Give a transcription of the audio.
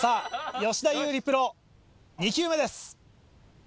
吉田優利プロ２球目です。